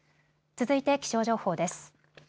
続いて気象情報です。